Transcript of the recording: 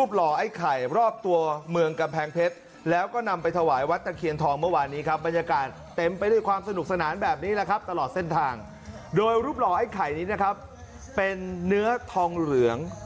ในพื้นที่ตะบนท่าขุนรามอำเภอเมือง